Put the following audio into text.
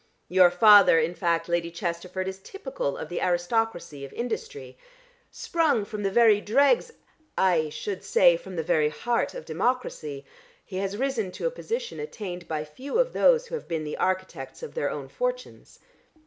Your father, in fact, Lady Chesterford, is typical of the aristocracy of industry. Sprung from the very dregs I should say from the very heart of democracy, he has risen to a position attained by few of those who have been the architects of their own fortunes.